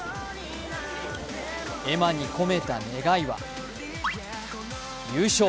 絵馬に込めた願いは「優勝」。